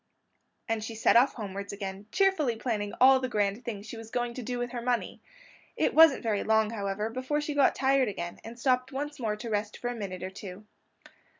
And she set off homewards again, cheerfully planning all the grand things she was going to do with her money. It wasn't very long, however, before she got tired again and stopped once more to rest for a minute or two.